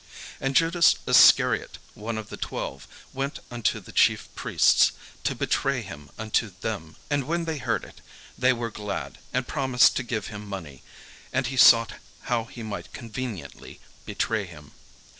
And Judas Iscariot, one of the twelve, went unto the chief priests, to betray him unto them. And when they heard it, they were glad, and promised to give him money. And he sought how he might conveniently betray him.